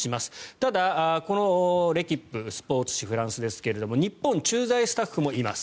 ただ、このレキップフランスのスポーツ紙ですが日本駐在スタッフもいます。